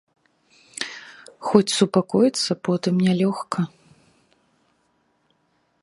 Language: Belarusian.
Хоць супакоіцца потым нялёгка.